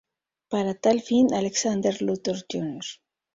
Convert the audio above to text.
Para tal fin, Alexander Luthor Jr.